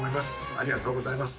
ありがとうございます。